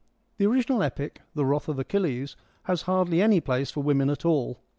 The original epic, the ' Wrath of Achilles ' has hardly any place for women at all.